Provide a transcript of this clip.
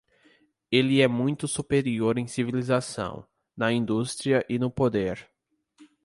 Ele é muito superior em civilização, na indústria e no poder.